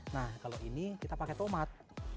nah kalau ini kita pakai tomat